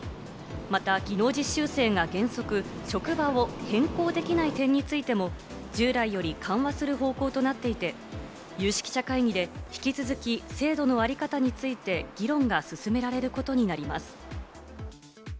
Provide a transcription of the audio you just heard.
また技能実習生が原則職場を変更できない点についても、従来より緩和する方向となっていて、有識者会議で引き続き制度のあり方について議論が進められることになります。